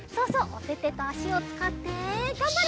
おててとあしをつかってがんばれ！